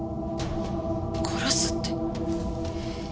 殺すって。